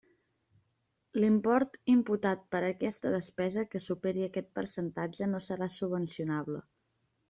L'import imputat per aquesta despesa que superi aquest percentatge no serà subvencionable.